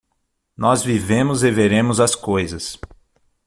Nós vivemos e veremos as coisas.